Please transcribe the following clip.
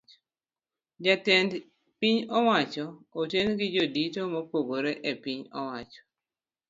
Jatend piny owacho oten gi jodito mopogore epiny owacho.